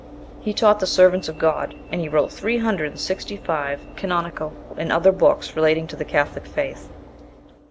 He taught the servants of God, and he wrote three hundred and sixty five canonical and other books relating to the catholic faith.